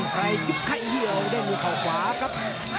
ใครจุ๊บไข่เหี่ยวได้มีเขาขวาครับ